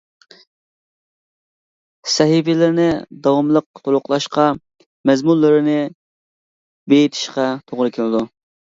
سەھىپىلىرىنى داۋاملىق تولۇقلاشقا، مەزمۇنلىرىنى بېيىتىشقا توغرا كېلىدۇ.